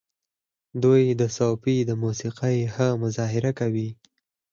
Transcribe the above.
دوی د صوفي موسیقۍ ښه مظاهره کوي.